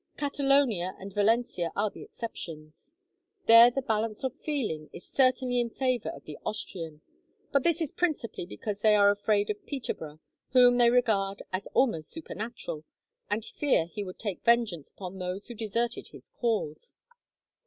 Catalonia and Valencia are the exceptions. There the balance of feeling is certainly in favour of the Austrian, but this is principally because they are afraid of Peterborough, whom they regard as almost supernatural, and fear he would take vengeance upon those who deserted his cause.